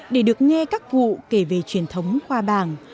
để được nghe các cụ kể về truyền thống khoa bảng